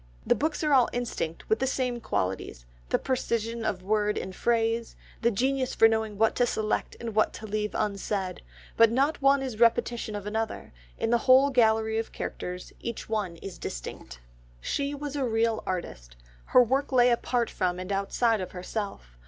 The books are all instinct with the same qualities, the precision of word and phrase, the genius for knowing what to select and what to leave unsaid, but not one is a repetition of another, in the whole gallery of characters each one is distinct. She was a real artist. Her work lay apart from and outside of herself.